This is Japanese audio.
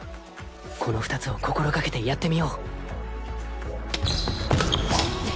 この２つを心掛けてやってみよう